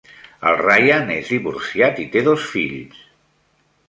El Ryan és divorciat i té dos fills.